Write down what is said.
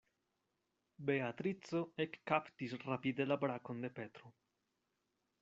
Beatrico ekkaptis rapide la brakon de Petro.